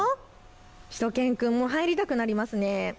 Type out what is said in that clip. しゅと犬くんも入りたくなりますね。